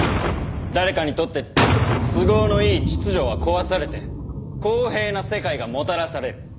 誰かにとって都合のいい秩序は壊されて公平な世界がもたらされる。